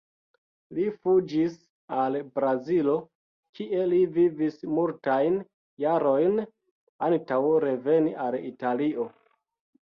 Li fuĝis al Brazilo kie li vivis multajn jarojn antaŭ reveni al Italio.